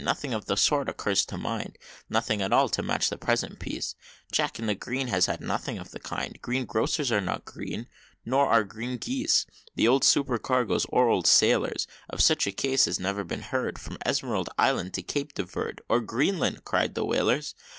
nothing of the sort occurs to mind, Nothing at all to match the present piece; Jack in the Green has nothing of the kind Green grocers are not green nor yet green geese!" The oldest Supercargoes or Old Sailors Of such a case had never heard, From Emerald Isle to Cape de Verd; "Or Greenland!" cried the whalers.